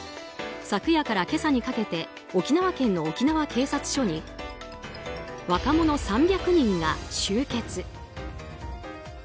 昨夜から今朝にかけて沖縄県の沖縄警察署に若者３００人が集結。